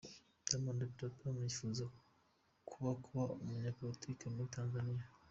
Diamond Platnumz yifuza kuba kuba umunyapolitike muri Tanzania.